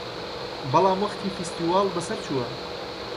بەڵام وەختی فستیواڵ بەسەر چووە